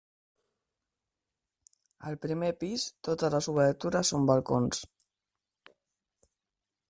Al primer pis totes les obertures són balcons.